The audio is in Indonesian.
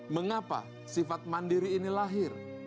mengapa sifat mandiri ini lahir